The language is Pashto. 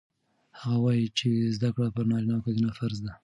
هغه وایي چې زده کړه پر نارینه او ښځینه فرض ده.